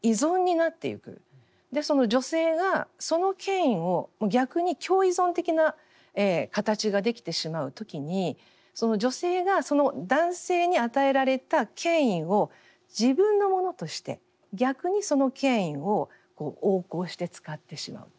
その女性がその権威を逆に共依存的な形ができてしまう時に女性が男性に与えられた権威を自分のものとして逆にその権威を横行して使ってしまうと。